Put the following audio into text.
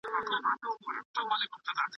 د څيړني لاره ډېره اوږده ده.